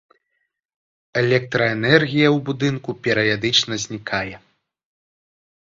Электраэнергія ў будынку перыядычна знікае.